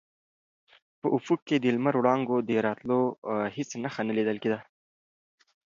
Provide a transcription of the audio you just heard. په افق کې د لمر وړانګو د راوتلو هېڅ نښه نه لیدل کېده.